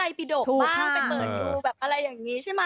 บ้างไปเปิดดูอะไรอย่างนี้ใช่มั้ย